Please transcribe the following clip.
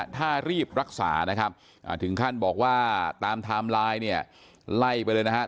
ถ้ารีบรักษานะครับถึงขั้นบอกว่าตามไทม์ไลน์เนี่ยไล่ไปเลยนะครับ